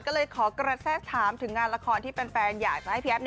ก็เลยขอกระแสถามถึงงานละครที่แฟนอยากจะให้พี่แอฟ